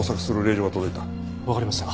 わかりました。